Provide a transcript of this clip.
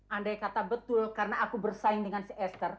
andai kata betul karena aku bersaing dengan si ester